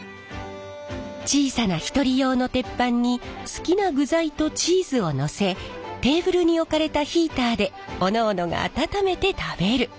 小さな一人用の鉄板に好きな具材とチーズをのせテーブルに置かれたヒーターでおのおのが温めて食べる。